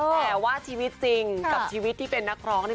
แต่ว่าชีวิตจริงกับชีวิตที่เป็นนักร้องนี่